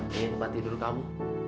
nih tempat tidur kamu